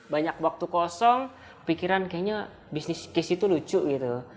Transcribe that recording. banyak waktu kosong pikiran kayaknya bisnis case itu lucu gitu